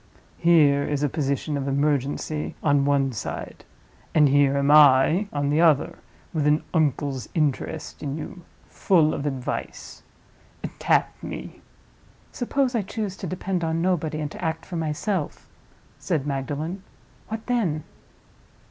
Here is a position of emergency on one side—and here am I, on the other, with an uncle's interest in you, full of advice. Tap me." "Suppose I choose to depend on nobody, and to act for myself?" said Magdalen. "What then?"